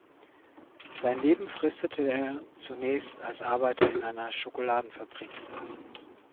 Sein Leben fristete er zunächst als Arbeiter in einer Schokoladenfabrik.